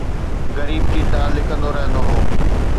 غريب چيتا لڪندو رهندو هو